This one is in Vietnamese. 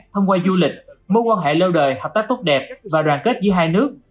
thông qua du lịch mối quan hệ lâu đời hợp tác tốt đẹp và đoàn kết giữa hai nước